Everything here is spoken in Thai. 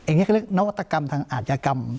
เนื้อวัตกรรมทางอาจกรรม